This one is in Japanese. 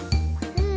うん？